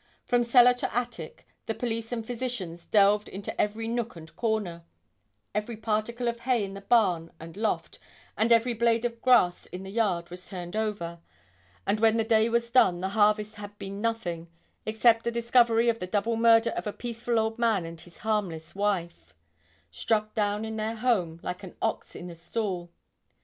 From cellar to attic the police and physicians delved into every nook and corner; every particle of hay in the barn loft and every blade of grass in the yard was turned over; and when the day was done the harvest had been nothing, except the discovery of the double murder of a peaceful old man and his harmless wife, struck down in their home like an ox in the stall.